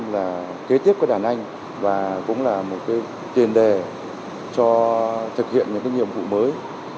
là kế tiếp có đàn anh và cũng là một cái tiền đề cho thực hiện những cái nhiệm vụ mới